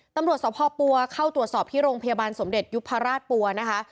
ตำรวจสภปัวเข้าตรวจสอบที่โรงพยาบาลสมเด็จยุพราชปัวนะคะ